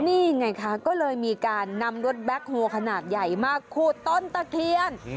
นี่ไงคะก็เลยมีการนำรถแบ็คโฮลขนาดใหญ่มาขูดต้นตะเคียน